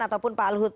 ataupun pak luhut